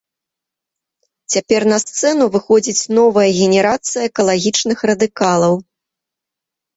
Цяпер на сцэну выходзіць новая генерацыя экалагічных радыкалаў.